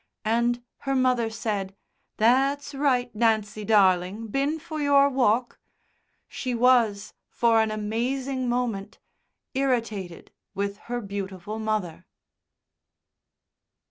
and her mother said: "That's right, Nancy darling, been for your walk?" she was, for an amazing moment, irritated with her beautiful mother.